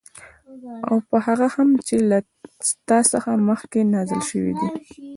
او په هغه هم چې له تا څخه مخكي نازل شوي دي